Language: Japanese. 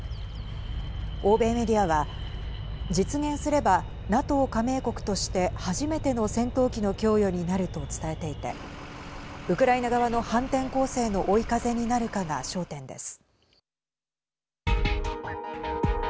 欧米メディアは実現すればＮＡＴＯ加盟国として初めての戦闘機の供与になると伝えていてウクライナ側の反転攻勢の追い風になるかが焦点です。